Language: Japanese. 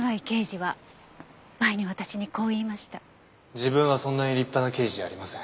自分はそんなに立派な刑事じゃありません。